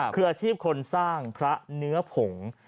คืออาชีพคนสร้างพระเนื้อผง